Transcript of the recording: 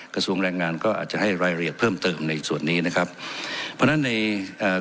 กระทรวงแรงงานก็อาจจะให้รายละเอียดเพิ่มเติมในส่วนนี้นะครับเพราะฉะนั้นในเอ่อ